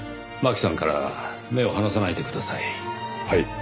マキさんから目を離さないでください。